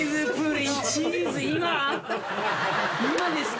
今ですか。